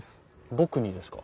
僕にですか？